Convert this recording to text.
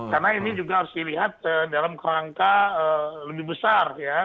karena ini juga harus dilihat dalam rangka lebih besar ya